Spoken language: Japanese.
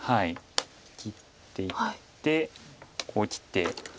切っていってこう切って。